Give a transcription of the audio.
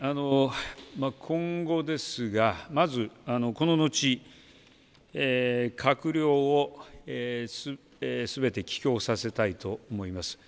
今後ですが、この後閣僚をすべて帰郷させたいと思います。